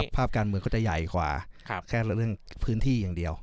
ภาพการเมืองก็จะใหญ่กว่าแค่เรื่องพื้นที่อย่างเดียว